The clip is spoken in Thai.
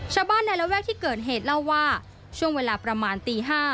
ชาวบ้านในระแวกที่เกิดเหตุเล่าว่าช่วงเวลาประมาณตี๕